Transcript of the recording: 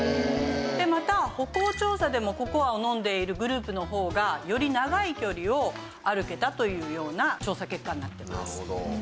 でまた歩行調査でもココアを飲んでいるグループの方がより長い距離を歩けたというような調査結果になってます。